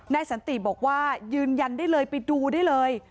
สันติบอกว่ายืนยันได้เลยไปดูได้เลย